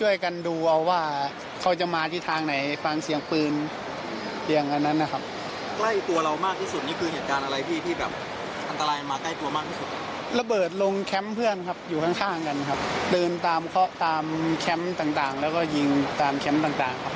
อยู่ข้างกันครับเตินตามแคมป์ต่างแล้วก็ยิงตามแคมป์ต่างครับ